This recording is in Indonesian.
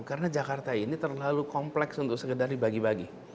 karena jakarta ini terlalu kompleks untuk sekedar dibagi bagi